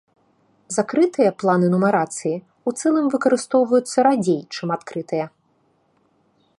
Закрытыя планы нумарацыі, у цэлым, выкарыстоўваюцца радзей, чым адкрытыя.